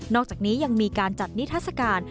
อกจากนี้ยังมีการจัดนิทัศกาล